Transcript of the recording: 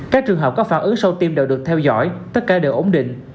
các trường hợp có phản ứng sâu tim đều được theo dõi tất cả đều ổn định